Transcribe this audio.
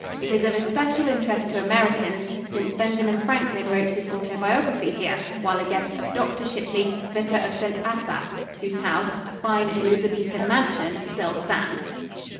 It is of especial interest to Americans, since Benjamin Franklin wrote his autobiography here while a guest of Dr. Shipley, Vicar of St. Asaph, whose house, a fine Elizabethan mansion, still stands.